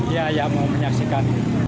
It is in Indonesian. iya iya mau menyaksikan